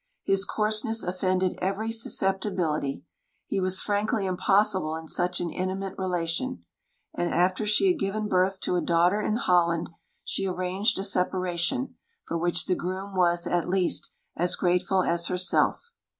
His coarseness offended every susceptibility; he was frankly impossible in such an intimate relation; and after she had given birth to a daughter in Holland, she arranged a separation, for which the groom was, at least, as grateful as herself.